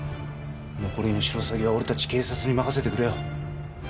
残りのシロサギは俺達警察に任せてくれよ